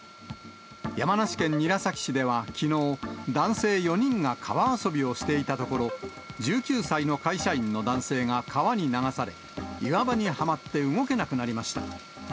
山梨県韮崎市ではきのう、男性４人が川遊びをしていたところ、１９歳の会社員の男性が川に流され、岩場にはまって動けなくなりました。